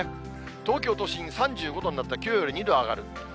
東京都心３５度になって、きょうより２度上がる。